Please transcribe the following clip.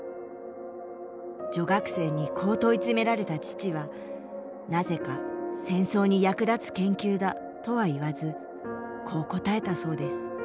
女学生にこう問い詰められた父はなぜか「戦争に役立つ研究だ」とは言わずこう答えたそうです